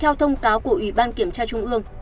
theo thông cáo của ủy ban kiểm tra trung ương